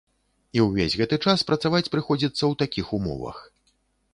І ўвесь гэты час працаваць прыходзіцца ў такіх умовах.